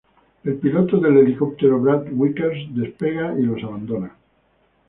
El piloto del helicóptero, Brad Vickers, despega y los abandona.